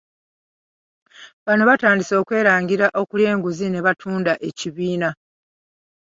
Bano batandise okwerangira okulya enguzi ne batunda ekibiina .